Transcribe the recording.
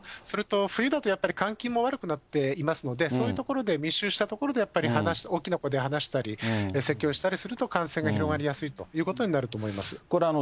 それと冬だと、やっぱり換気も悪くなっていますので、そういう所で密集した所で、やっぱり大きな声で話したり、せきをしたりすると感染が広がりやすいということになると思いま